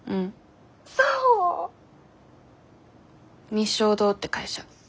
日粧堂って会社。